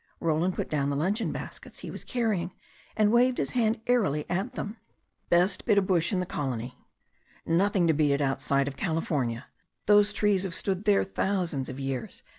Roland put down the luncheon baskets he was carrying, and waved his hand airily at them. "Best bit of bush in the colony. Nothing to beat it outside of California. Those trees have stood there thousands of years.